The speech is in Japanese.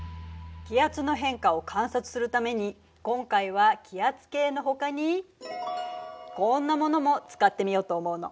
気圧の変化を観察するために今回は気圧計のほかにこんなものも使ってみようと思うの。